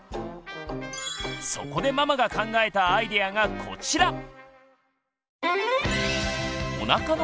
そこでママが考えたアイデアがこちら！